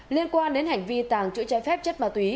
liên quan đến hành vi tàng trữ trái phép chất ma túy